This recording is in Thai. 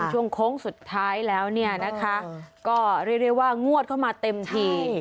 ช่วงโค้งสุดท้ายแล้วเนี่ยนะคะก็เรียกได้ว่างวดเข้ามาเต็มที